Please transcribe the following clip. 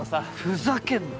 ふざけんな。